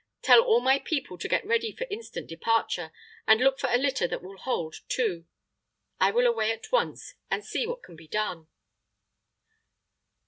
Tell all my people to get ready for instant departure; and look for a litter that will hold two. I will away at once, and see what can be done."